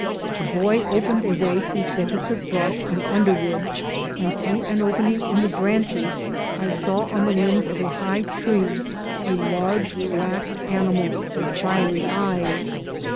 The boy opened a way through thickets of brush and underwood, and through an opening in the branches I saw on the limbs of a high tree a large black animal with fiery eyes.